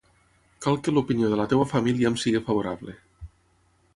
Cal que l'opinió de la teva família em sigui favorable.